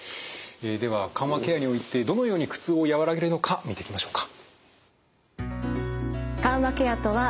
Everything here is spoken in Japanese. では緩和ケアにおいてどのように苦痛を和らげるのか見ていきましょうか。